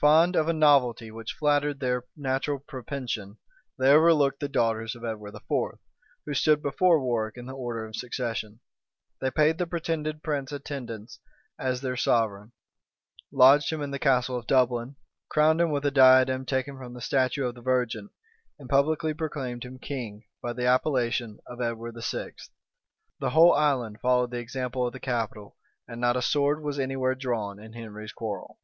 Fond of a novelty which flattered their natural propension, they overlooked the daughters of Edward IV., who stood before Warwick in the order of succession; they paid the pretended prince attendance as their sovereign, lodged him in the Castle of Dublin, crowned him with a diadem taken from a statue of the Virgin, and publicly proclaimed him king, by the appellation of Edward VI. The whole island followed the example of the capital; and not a sword was any where drawn in Henry's quarrel.